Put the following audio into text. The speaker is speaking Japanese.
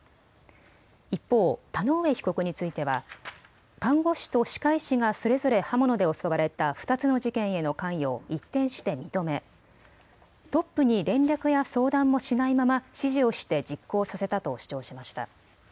一方、田上被告については看護師と歯科医師がそれぞれ刃物で襲われた２つの事件への関与を一転して認め、トップに連絡や相談もしないまま指示をして実行させたと主張しました。